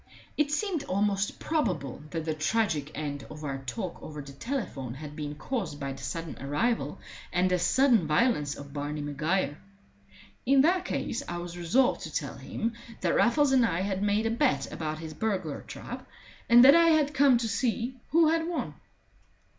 It seemed almost probable that the tragic end of our talk over the telephone had been caused by the sudden arrival and as sudden violence of Barney Maguire. In that case I was resolved to tell him that Raffles and I had made a bet about his burglar trap, and that I had come to see who had won.